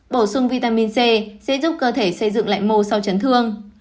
bổ sung vitamin c sẽ giúp cơ thể xây dựng lại mô sau chấn thương